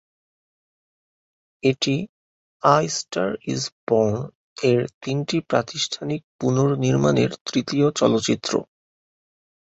এটি "a star is বর্ন"-এর তিনটি প্রাতিষ্ঠানিক পুনর্নির্মাণের তৃতীয় চলচ্চিত্র।